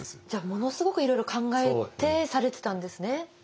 じゃあものすごくいろいろ考えてされてたんですね。